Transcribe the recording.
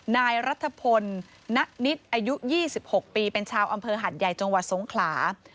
นายรัฐพลณนิดอายุ๒๖ปีเป็นชาวอำเภอหัดใหญ่จังหวัดสงขลา